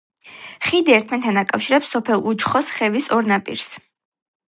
ხიდი ერთმანეთთან აკავშირებს სოფელ უჩხოს ხევის ორ ნაპირს.